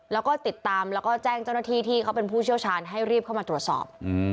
แล้วก็ติดตามแล้วก็แจ้งเจ้าหน้าที่ที่เขาเป็นผู้เชี่ยวชาญให้รีบเข้ามาตรวจสอบ